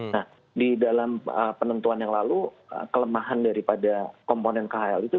nah di dalam penentuan yang lalu kelemahan daripada komponen kl itu